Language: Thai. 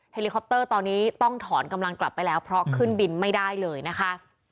เฮลิคอปเตอร์ตอนนี้ต้องถอนกำลังกลับไปแล้วเพราะขึ้นบินไม่ได้เลยนะคะ